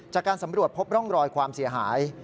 จากการสำรวจพบร่องรอยความเสียหาย